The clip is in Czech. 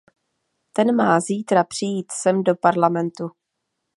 Ten má zítra přijít sem do Parlamentu.